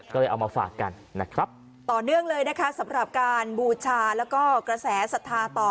ก็เลยเอามาฝากกันนะครับต่อเนื่องเลยนะคะสำหรับการบูชาแล้วก็กระแสสัทธาต่อ